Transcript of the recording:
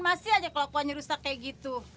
masih aja kelapanya rusak kayak gitu